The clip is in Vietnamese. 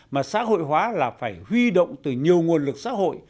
mà xã hội hóa là phải huy động từ nhiều nguồn lực xã hội